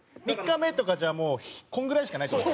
３日目とかじゃあもうこのぐらいしかないって事？